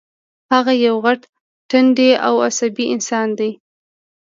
هغه یو غټ ټنډی او عصبي انسان دی